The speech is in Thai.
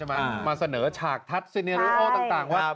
มาเสนอฉากทัศน์ต่างว่า